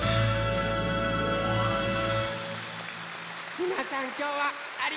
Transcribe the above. みなさんきょうはありがとうございました！